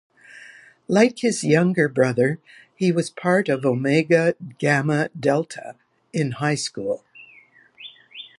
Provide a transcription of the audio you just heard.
Like his younger brother, he was part of Omega Gamma Delta in high school.